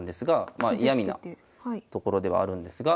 まあ嫌みなところではあるんですが。